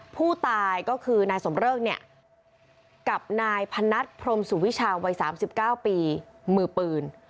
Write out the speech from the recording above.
ผู้ตายก็คือนายสมเริกเนี่ยกับนายพนัทพรมสุวิชาวัย๓๙ปีมือปืน